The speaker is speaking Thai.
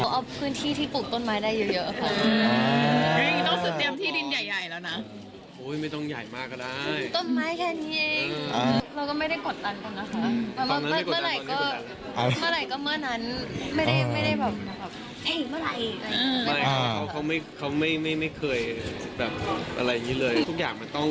เอาพื้นที่ที่ปลูกต้นไม้ได้เยอะค่ะ